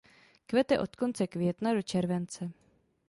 Kvete od konce května do července.